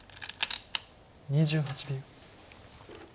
２８秒。